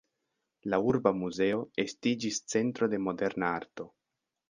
La Urba muzeo estiĝis centro de moderna arto.